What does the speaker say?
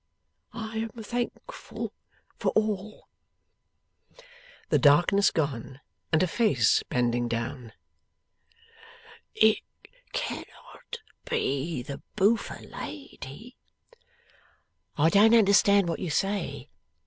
I am thankful for all!' The darkness gone, and a face bending down. 'It cannot be the boofer lady?' 'I don't understand what you say.